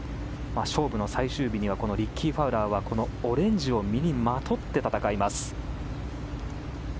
勝負の最終日にはリッキー・ファウラーはオレンジを身にまとって戦います。